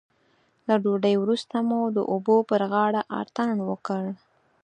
له ډوډۍ وروسته مو د اوبو پر غاړه اتڼ وکړ.